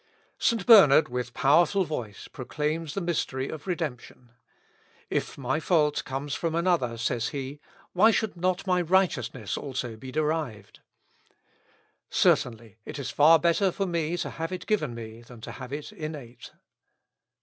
St. Bernard with powerful voice proclaims the mystery of redemption. "If my fault comes from another," says he, "why should not my righteousness also be derived? Certainly, it is far better for me to have it given me, than to have it innate."